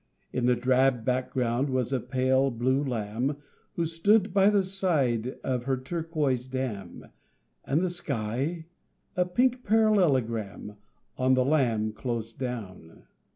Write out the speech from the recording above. In the drab background was a pale blue lamb Who stood by the side of her turquoise dam, And the sky a pink parallelogram On the lamb closed down.